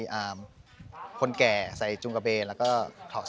ชื่องนี้ชื่องนี้ชื่องนี้ชื่องนี้ชื่องนี้